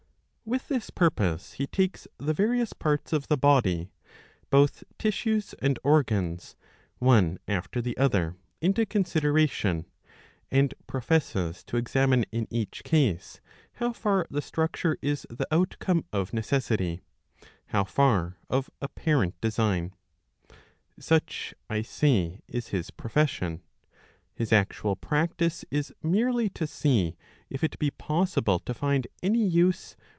With this purpose he takes the various parts of the body, both tissues and organs, one after the other, into* consideration, and praises to examine in e^i case how far the struc j ture is the outcome oF^gceaai^, how far ^ ^PPt^iF"^ ^'^^Ifir" Such, I say, is his profession. His actual practice is merely to see if it be possible to find any ^use.